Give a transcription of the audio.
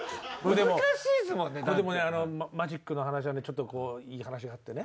でもねマジックの話はねちょっといい話があってね。